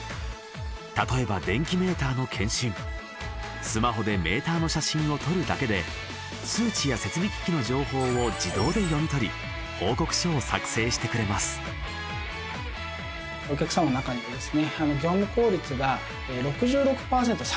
例えば電気メーターの検針スマホでメーターの写真を撮るだけで数値や設備機器の情報を自動で読み取り報告書を作成してくれます井上さんの今の夢